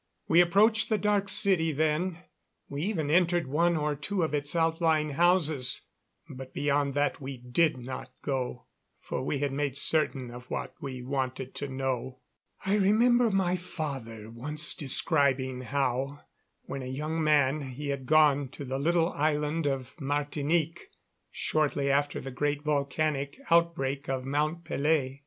We approached the Dark City then; we even entered one or two of its outlying houses;, but beyond that we did not go, for we had made certain of what we wanted to know. I remember my father once describing how, when a young man, he had gone to the little island of Martinique shortly after the great volcanic outbreak of Mount Pelée.